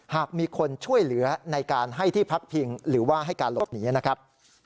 หากมีคนช่วยเหลือในการให้ที่พักพิงหรือว่าให้การหลบหนีนะครับ